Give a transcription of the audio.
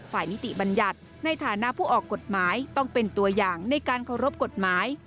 นิติบัญญัติในฐานะผู้ออกกฎหมายต้องเป็นตัวอย่างในการเคารพกฎหมาย